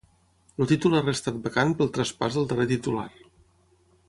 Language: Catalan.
El títol ha restat vacant pel traspàs del darrer titular.